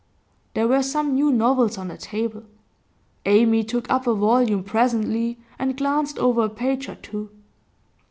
There were some new novels on the table; Amy took up a volume presently, and glanced over a page or two.